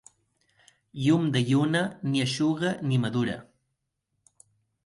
Llum de lluna ni eixuga ni madura.